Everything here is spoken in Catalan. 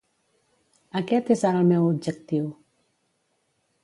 Aquest és ara el meu objectiu.